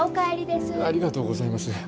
ありがとうございます。